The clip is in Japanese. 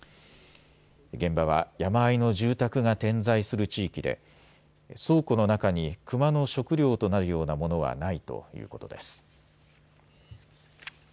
現場は山あいの住宅が点在する地域で倉庫の中にクマの食料となるようなものはないということです。